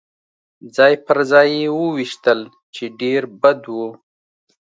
ځای پر ځای يې وویشتل، چې ډېر بد و.